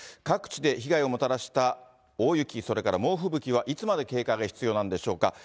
各地で被害をもたらした大雪、それから猛吹雪はいつまで警戒が必要なんでしょうか。